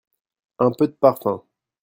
Un peu de parfum.